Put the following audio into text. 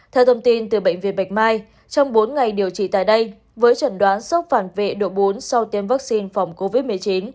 theo thông tin từ bệnh viện bạch mai trong bốn ngày điều trị tại đây với trần đoán sốc phản vệ độ bốn sau tiêm vaccine phòng covid một mươi chín